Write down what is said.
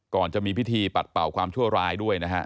จะมีพิธีปัดเป่าความชั่วร้ายด้วยนะฮะ